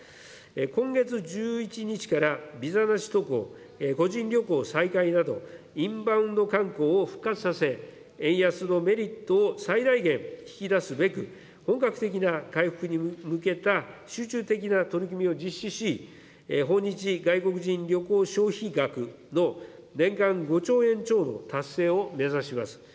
今月１１日からビザなし渡航、個人旅行再開など、インバウンド観光を復活させ、円安のメリットを最大限引き出すべく、本格的な回復に向けた集中的な取り組みを実施し、訪日外国人旅行消費額の年間５兆円超の達成を目指します。